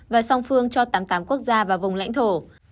và song phương cho tám mươi tám quốc gia và vùng lãnh thổ